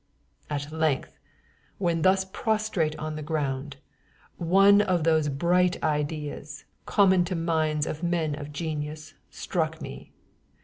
At length, when thus prostrate on the ground, one of those bright ideas, common to minds of men of genius, struck me.